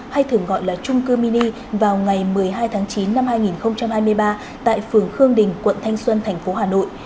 hay thường gọi là trung cư mini vào ngày một mươi hai tháng chín năm hai nghìn hai mươi ba tại phường khương đình quận thanh xuân thành phố hà nội